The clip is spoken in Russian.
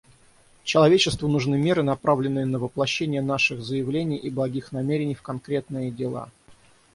Человечеству нужны меры, направленные на воплощение наших заявлений и благих намерений в конкретные дела.